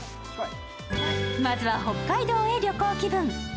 まずは北海道へ旅行気分。